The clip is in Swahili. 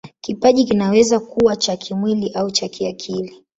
Kipaji kinaweza kuwa cha kimwili au cha kiakili.